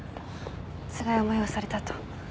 つらい思いをされたと。